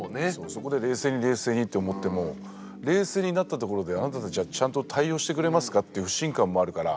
そこで冷静に冷静にって思っても冷静になったところであなたたちはちゃんと対応してくれますかっていう不信感もあるから。